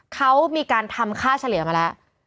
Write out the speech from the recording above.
เขามีการทำค่าเฉลี่ยมาแล้ว